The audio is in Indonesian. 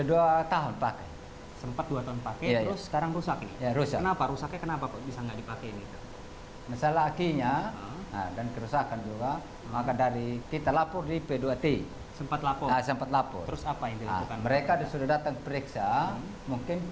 orang sudah datang cek